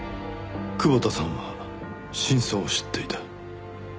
窪田さんは真相を知っていた。